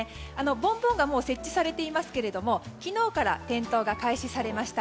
ぼんぼりがもう設置されていますが昨日から点灯が開始されました。